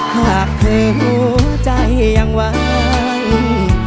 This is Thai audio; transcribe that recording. หากเธอใจอย่างวาง